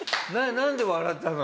なんで笑ったの？